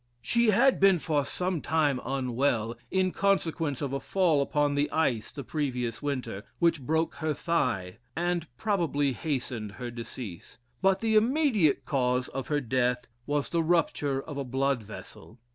She had been for sometime unwell, in consequence of a fall upon the ice the previous winter, which broke her thigh, and probably hastened her decease; but the immediate cause of her death was the rupture of a blood vessel.